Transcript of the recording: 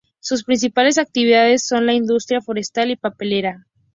Sus principales actividades son la industria forestal y papelera.